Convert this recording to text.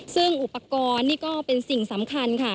ซึ่งอุปกรณ์นี่ก็เป็นสิ่งสำคัญค่ะ